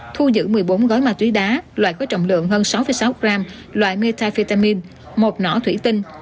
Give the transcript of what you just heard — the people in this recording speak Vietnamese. thu giữ một mươi bốn gói ma túy đá loại có trọng lượng hơn sáu sáu gram loại metafetamin một nỏ thủy tinh